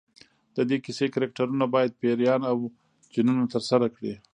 د دې کیسې کرکټرونه باید پیریان او جنونه ترسره کړي.